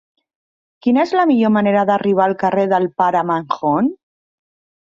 Quina és la millor manera d'arribar al carrer del Pare Manjón?